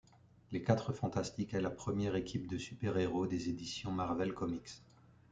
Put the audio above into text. Les Quatre Fantastiques est la première équipe de super-héros des éditions Marvel Comics.